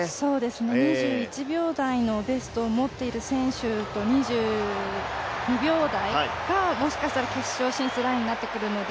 ２１秒台のベストを持っている選手と２２秒台がもしかしたら決勝ラインになってくるので。